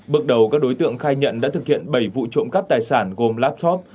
bước đầu các đối tượng khai nhận đã thực hiện bảy vụ trộm cắp tài sản gồm laptop